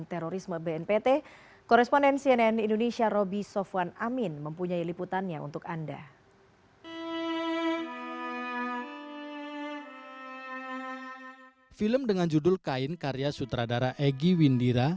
film dengan judul kain karya sutradara egy windira